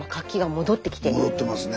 戻ってますね。